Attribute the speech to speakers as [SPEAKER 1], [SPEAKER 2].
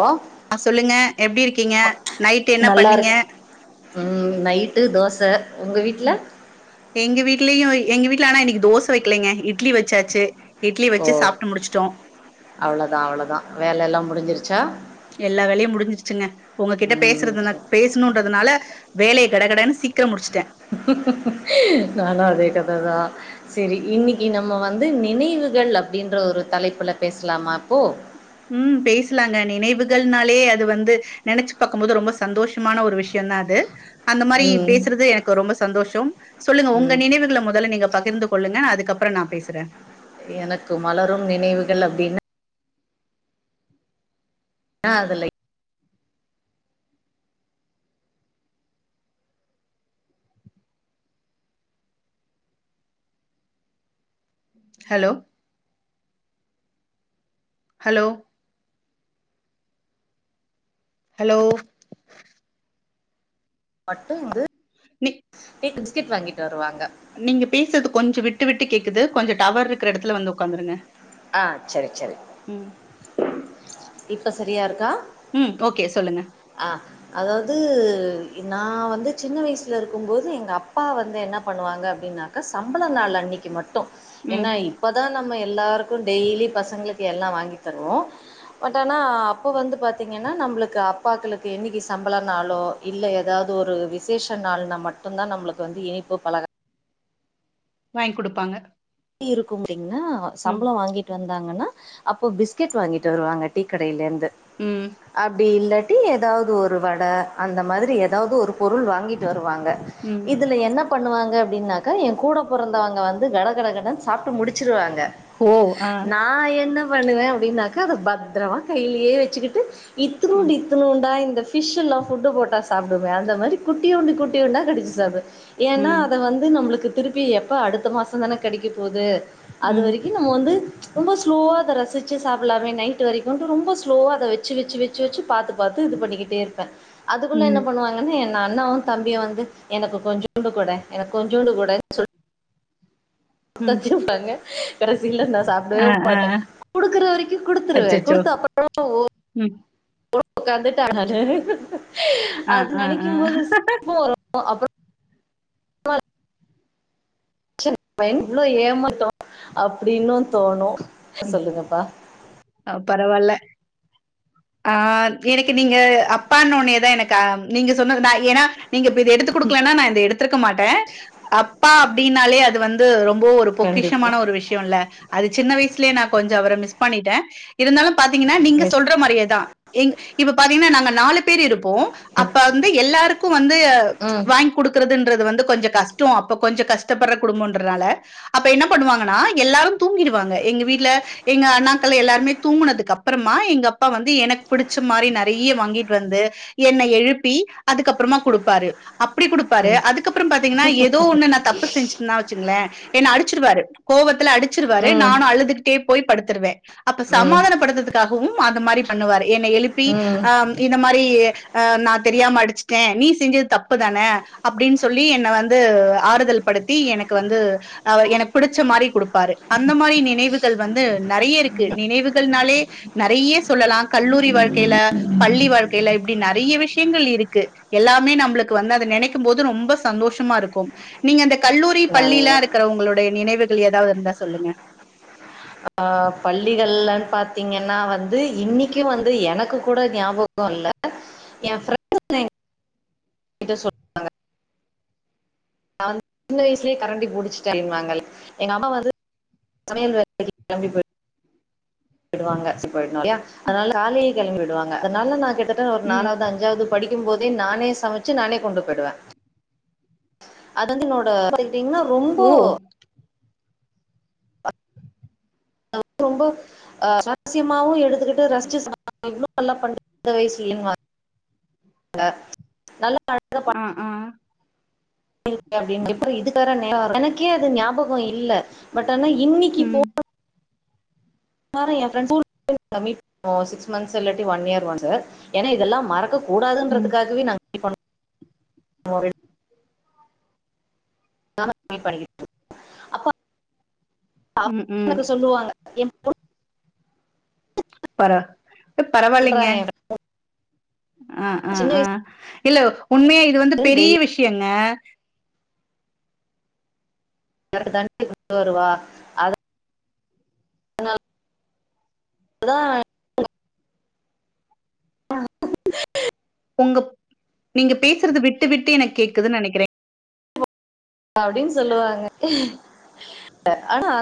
[SPEAKER 1] ஓ
[SPEAKER 2] ஆ சொல்லுங்க எப்டி இருக்கீங்க நைட் என்ன
[SPEAKER 1] நல்லா
[SPEAKER 2] பண்ணீங்க
[SPEAKER 1] இருக் ம் நைட்டு தோச உங்க வீட்ல
[SPEAKER 2] எங்க வீட்லியு எங்க வீட்ல ஆனா இன்னைக்கி தோச வெக்லங்கே இட்லி வச்சாச்சு இட்லி
[SPEAKER 1] ஓ
[SPEAKER 2] வச்சி சாப்ட்டு முடிச்சிடோ
[SPEAKER 1] அவ்ளோதா அவ்ளோதா வேல லா முடிஞ்சிருச்சா
[SPEAKER 2] எல்லா வேலையு முடிஞ்சிடுச்சுங்க உங்ககிட்ட
[SPEAKER 1] ம்
[SPEAKER 2] பேசுறதுன
[SPEAKER 1] சரி
[SPEAKER 2] பேசணுன்றதுனால வேலய கட கடன் சீக்ர முடிச்ட்ட
[SPEAKER 1] நானு அதே கத தா செரி இன்னிக்கி நம்ம வந்து நினைவுகள் அப்டின்ற ஒரு தலைப்புல பேசலாமா இப்போ
[SPEAKER 2] ம் பேஸ்லாங்க நினைவுகள்னாலே அது வந்து நெனச்சி பாக்கும் போது ரொம்ப சந்தோஷமான ஒரு விஷ் யதா அது அந்த மாரி
[SPEAKER 1] ம்
[SPEAKER 2] பேசுறது எனக்கு ரொம்ப சந்தோஷோம் சொல்லுங்க உங்க
[SPEAKER 1] ம்
[SPEAKER 2] நினைவுகள முதல்ல நீங்க பகிர்ந்து கொள்ளுங்க நா அதுக்கப்றோ நா பேசுற
[SPEAKER 1] எனக்கு மலரும் நினைவுகள் அப்டின் னா அதுலை
[SPEAKER 2] ஹலோ ஹலோ ஹலோ
[SPEAKER 1] பட்டுந்து
[SPEAKER 2] நீ
[SPEAKER 1] ட்டு பிஸ்கெட் வாங்கிட்டு வருவாங்க
[SPEAKER 2] நீங்க பேசுறது கொஞ்சோ விட்டு விட்டு கேக்குது கொஞ்சோ டவர் இருக்கிற இடத்துல வந்து உக்காந்துருங்க
[SPEAKER 1] ஆ செரி செரி இப்ப சரியா இருக்கா
[SPEAKER 2] ம் ஓகே சொல்லுங்க
[SPEAKER 1] ஆ அதாவுது நா வந்து சின்ன வயசுல இருக்கும் போது எங்க அப்பா வந்து என்ன பண்ணுவாங்க அப்டின்னா கா சம்பள நாள் அன்னைக்கி மட்டு
[SPEAKER 2] ம்.
[SPEAKER 1] ஏன்னாய் இப்பதா நம்ம எல்லாருக் கு டெய்லி பசங்ளுக்கு எல்லா வாங்கி தருவோ பட் ஆனா அப்ப வந்து பாத்தீங்கன்னா நம்ளுக்கு அப்பாக்களுக்கு என்னைக்கி சம்பள நாலோ இல்ல ஏதாவது ஒரு விசேஷ நாள்னா மட்டு தா நம்ளுக்கு வந்து இனிப்பு பழகா
[SPEAKER 2] வாய்ங் குடுப்பாங்க
[SPEAKER 1] ப்டி இருக்கு புட்டிங்னா
[SPEAKER 2] ம்.
[SPEAKER 1] சம்ளோ வாங்கி கிட்டு வந்தாங்கன்னா அப்போ பிஸ்கெட் வாங்கிட்டு வருவாங்க டீ கடையிலந்து
[SPEAKER 2] ம்.
[SPEAKER 1] அப்டி இல்ல டி ஏதாவது ஒரு வட அந்த மாரி ஏதாவது ஒரு பொருள் வாங்கிட்டு வருவாங்க
[SPEAKER 2] ம்.
[SPEAKER 1] இதுல என்ன பண்ணுவாங்க அப்டின்னாக்கா என் கூட பொறந்தவங்க வந்து கடகடக டன் சாப்ட்டு முடிச்சிருவாங்க
[SPEAKER 2] ஓ! ஆ.
[SPEAKER 1] நா என்ன என்ன பண்ணுவே அப்படின்னாக்க அத பத்தரமா கையிலே வச்சுக்கிட்டு
[SPEAKER 2] ம்.
[SPEAKER 1] இத்துனூண்டு இத் துனூண்டா இந்த ஃபிஷ் எல்லா ஃபுட்டு போட்டா சாப்டுமே அந்த மாரி குட்டியோண்டு குட்டியோண்டா கடிச்சு சாப்டுவ ஏன்னா
[SPEAKER 2] ம்.
[SPEAKER 1] அத வந்து நம்ளுக்கு திருப்பி எப்ப அடுத்த மாச தான கெடைக்க போது அது
[SPEAKER 2] ம்.
[SPEAKER 1] வரைக்கு நம்ம வந்து ரொம்ப ஸ்லோவா அத ரசிச்சு சாப்புலாமே நைட்டு வரைக்குன்ட்டு ரொம்ப ஸ்லோவா அத வச்சு வச்சு வச் வச்சு வச்சு பாத்து பாத்து இது பண்ணிக்கிட்டே இருப்ப அதுக்குள்ள என்ன
[SPEAKER 2] ம்.
[SPEAKER 1] பண்ணுவாங் க என் அண்ணாவு தம்பியு வந்து எனக்கு கொஞ்சொண்டு கூட எனக்கு கொஞ்சொண்டு கூட சொல்
[SPEAKER 2] ம்.
[SPEAKER 1] ட்டாத்திருப்பாங்க கடைசில நா சாப் சாப்டவே
[SPEAKER 2] ஆ, ஆ.
[SPEAKER 1] மாட்ட குடுக்குற வரைக்கு குடுத்துருவ
[SPEAKER 2] அச்சச்சோ!
[SPEAKER 1] குடுத்து அப்பறமா ஓ
[SPEAKER 2] ம்.
[SPEAKER 1] உக்காந்துட்ட
[SPEAKER 2] ஆ,
[SPEAKER 1] அது
[SPEAKER 2] ஆ, ஆ.
[SPEAKER 1] நெனைக்கும்போது சிப்பா வரு ஓ அப்றோ [unintelligible] இவ்ளோ ஏமாத்துறோ அப்டின்னு தோணு சொல்லுங்கப்பா
[SPEAKER 2] ஆ பரவாயில்ல ஆ எனக்கு நீங்க அப்பான்னோன்னே தா எனக்கு நீங்க சொன்னதுதா ஏனா நீங்க இப்ப இத எடுத்து குடுக்கலன்னா நா இத எடுத்துருக்க மாட்ட அப்பா அப்டின்னாலே அது வந்து ரொம்ப ஒரு
[SPEAKER 1] கண்டிப்பா
[SPEAKER 2] பொக்கிஷமான ஒரு விஷ்யோல்ல அது சின்ன வயசுலயே நா கொஞ்சொஅவர மிஸ் பண்ணிட்ட இருந்தாலு பாத்தீங்கன்னா நீங்க சொல்ற மாரியே தான். இப்ப பாத்தீங்ன்னா நாங்க நாலு பேரு இருப்போ அப்ப வந்து எல்லாருக்கு வந்து
[SPEAKER 1] ம்
[SPEAKER 2] வாங்கி குடுக்கறதுன்றது வந்து கொஞ்ச கஷ்டோ அப்ப கொஞ்ச கஷ்டப்பட்ற குடும்பன்றனால அப்ப என்ன பண்ணுவாங்கன்னா எல்லாரு தூங்கிருவாங்க எங்க வீட்ல எங்க அண்ணாக்கள் எல்லாருமே தூங்குனதுக்கு அப்றமா எங்க அப்பா வந் து எனக்கு பிடிச்ச மாரி நெறைய வாங்கிட்டு வந்து என்ன எழுப்பி அதுக்கப்றமா குடுப்பாரு அப்டி குடுப்பாரு அதுக்கப்றம் பாத்தீங்கன்னா ஏதோ ஒண்ணு நா தப்பு செஞ்சுட்டேனா வச்சுங்களே என்ன அடிச்சிருவாரு கோவத்துல அடிச்சிருவாரு
[SPEAKER 1] ம்
[SPEAKER 2] நானு அழுதுக்கிட்டே போய் படுத்துருவே அப்ப
[SPEAKER 1] ம்
[SPEAKER 2] சமாதானப்படுத்தறதுக் காகவும் அது மாரி பண்ணுவாரு என்ன எழுப்பி
[SPEAKER 1] ம்
[SPEAKER 2] ஆ இந்த மாரி ஆ நா தெரியாம அடிச்சிட்டே நீ செஞ்சது தப்பு தானே அப்படின் சொல்லி என்ன வந்து ஆறுதல் படுத்தி எனக்கு வந்து அவர் எனக்கு பிடிச்ச மாரி குடுப்பாரு அந்த மாரி நினைவுகள் வந்து நெறைய இருக்கு நினைவுகள்னாலே நெறைய சொல்லலா கல்லூரி வாழ்க்கையில பள்ளி வாழ்க்கையில இப்டி நெறைய விஷயங்கள் இருக்கு எல்லாமே நம்பளுக்கு வந்து அத நெனைக்கும் போது ரொம்ப சந்தோஷமா இருக்கும் நீங்க இந்த கல்லூரி பள்ளியெல்லா
[SPEAKER 1] நல்லா
[SPEAKER 2] இருக்கறவங்களுடைய நினைவுகள் ஏதாவது இருந்தா சொல்லுங்கள
[SPEAKER 1] ஆ பள்ளிகள்லன் பாத்தீங்கன்னா வந்து இன்னிக்கு வந்து எனக்கு கூட ஞாபக இல்ல ஏ ஃப்ர ண்டு சொல்றாங்க நா வந்து சின்ன வயசுலே கரண்டி புடிச்சுட்டேன்வாங்கள எங்க அம்மா வந்து சமயல் வேலைக்கு கெளம்பி போய் டுவாங்க [unintelligible] யா அதனால கால்லையே கெளம்பிடுவாங்க அதனால நா கிட்டத்த ட்ட ஒரு
[SPEAKER 2] ம்
[SPEAKER 1] நாலாவது அஞ்சாவது படிக்கும் போதே நானே சமச்சு நானே கொண்டு போயிடுவ அது வந்து என்னோட பாத்தீங்கன்னா ரொம்போ
[SPEAKER 2] ஓ
[SPEAKER 1] அது வந்து ரொம்போ ஆ ரட்சியமாவு எடுத்துக்கிட்டு ரசிச்சி சாப் இவ்ளோ நல்லா பண்றியே இந்த வயசுலன்வாங்க ங்க நல்ல வாழ்க்க
[SPEAKER 2] அ அ
[SPEAKER 1] எனக்கே அது ஞாபகம் இல்ல பட் ஆனா இன்னிக்கி போ
[SPEAKER 2] ம்
[SPEAKER 1] எல்லாரும் என் ஃப்ரெண்ட்ஸ் [inaudible] மீட் பண்ணுவோம் சிக்ஸ் மந்த்ஸ் இல்லாட்டி ஒன் இயர் ஒன்ஸ் ஏன்னா இதெல்லா மறக்க
[SPEAKER 2] ம்
[SPEAKER 1] கூடாதுன்றதுக்காகவே நாங் [inaudible] அப்பா
[SPEAKER 2] ம் ம்
[SPEAKER 1] [inaudible] சொல்லுவாங்க என் பொண்
[SPEAKER 2] பர அ
[SPEAKER 1] சொல்றா
[SPEAKER 2] பரவாயில்லிங்க
[SPEAKER 1] என்
[SPEAKER 2] அ அ
[SPEAKER 1] சின்ன
[SPEAKER 2] அ இல்ல உண்மயா இது வந்து
[SPEAKER 1] வயசுல
[SPEAKER 2] பெரிய
[SPEAKER 1] டெய்லி
[SPEAKER 2] விஷயங்க
[SPEAKER 1] எனக்கு தண்ணி கொண்டு வருவா அதனால் அதா [inaudible]
[SPEAKER 2] உங்கப் நீங்க பேசுறது விட்டு விட்டு எனக்கு கேக்குதுன் நெனைக்கிற
[SPEAKER 1] அப்டின் சொல்லுவாங்க ஆனா